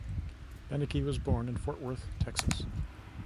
Beneke was born in Fort Worth, Texas.